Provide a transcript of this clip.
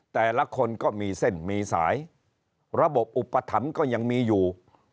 แต่ละคนก็มีเส้นมีสายระบบอุปถัมภ์ก็ยังมีอยู่